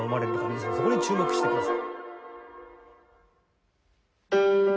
皆さんそこに注目してください。